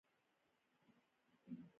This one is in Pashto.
د کونړ مالټې هم کیفیت لري.